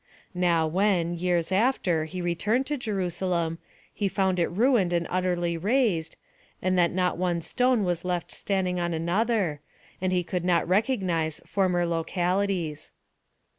Now, when, years after, he returned to Jerusalem, he found it ruined and utterly razed, so that not one stone was left standing on another; and he could not recognize former localities.